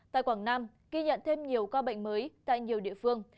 tại quảng nam ghi nhận thêm nhiều ca bệnh mới tại nhiều địa phương